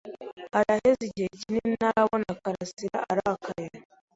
Haraheze igihe kinini ntarabona Karasiraarakaye.